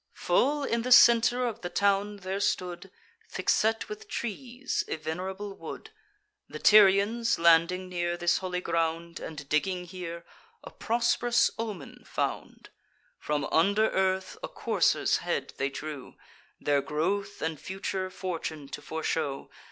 Full in the centre of the town there stood, Thick set with trees, a venerable wood. The Tyrians, landing near this holy ground, And digging here, a prosp'rous omen found: From under earth a courser's head they drew, Their growth and future fortune to foreshew.